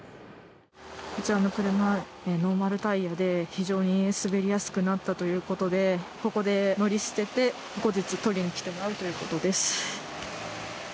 こちらの車、ノーマルタイヤで非常に滑りやすくなったということでここで乗り捨てて後日取りに来てもらうということです。